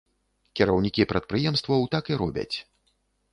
Кіраўнікі прадпрыемстваў так і робяць.